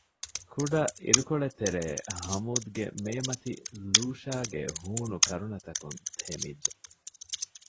ކުޑަ ޢިރުކޮޅެއްތެރޭ ހަމޫދްގެ މޭމަތި ލޫޝާގެ ހޫނު ކަރުނަތަކުން ތެމިއްޖެ